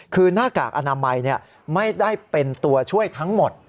คือหน้ากากอนามัยไม่ได้เป็นตัวช่วยทั้งหมด